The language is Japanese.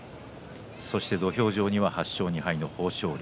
土俵上には８勝２敗の豊昇龍